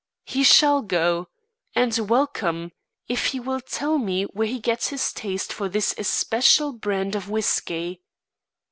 "He shall go, and welcome, if he will tell me where he gets his taste for this especial brand of whiskey."